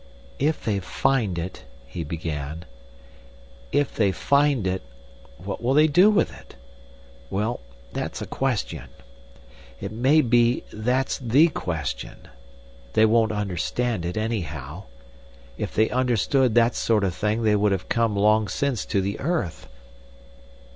"If they find it," he began, "if they find it ... what will they do with it? Well, that's a question. It may be that's the question. They won't understand it, anyhow. If they understood that sort of thing they would have come long since to the earth.